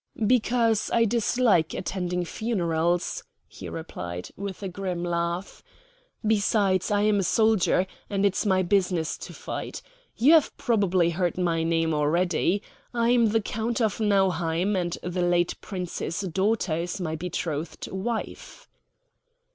"Because I dislike attending funerals," he replied, with a grim laugh. "Besides, I am a soldier; and it's my business to fight. You have probably heard my name already. I'm the Count von Nauheim, and the late Prince's daughter is my betrothed wife."